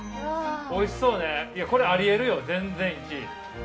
おいしそうねこれありえるよ全然１位。